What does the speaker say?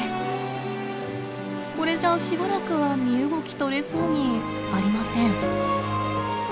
これじゃあしばらくは身動きとれそうにありません。